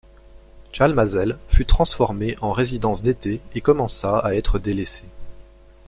Chalmazel fut transformé en résidence d'été et commença à être délaissé.